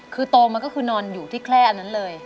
คือโตมาก็คือนอนอยู่ที่แคล่อันนั้นเลย